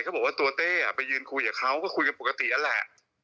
เขาบอกว่าตัวเต้ไปยืนคุยกับเขาก็คุยกันปกตินั่นแหละ